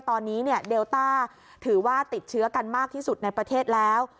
ตอนนี้เนี่ยเดลต้าถือว่าติดเชื้อกันมากที่สุดในประเทศแล้ว